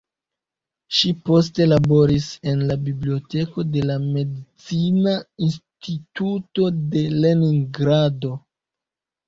Ŝi poste laboris en la biblioteko de la Medicina Instituto de Leningrado.